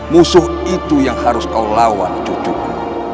musuh itu yang harus kau lawan cucuku